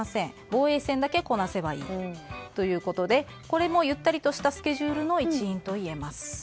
防衛戦だけこなせばいいということでこれもゆったりとしたスケジュールの一因といえます。